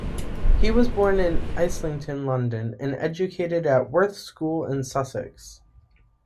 He was born in Islington, London, and educated at Worth School in Sussex.